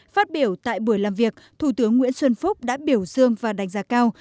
phát biểu tại buổi làm việc thủ tướng nguyễn xuân phúc đã biểu dương và đánh giá cao